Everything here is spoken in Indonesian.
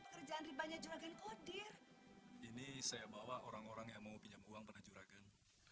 pekerjaan ribanya juragan kodir ini saya bawa orang orang yang mau pinjam uang pada juragan